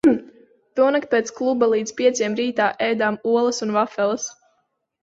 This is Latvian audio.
Tonakt pēc kluba līdz pieciem rītā ēdām olas un vafeles.